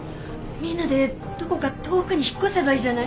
みんなでどこか遠くに引っ越せばいいじゃない。